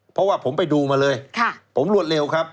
เพราะว่าผมไปดูมาเลยผมรวดเร็วครับ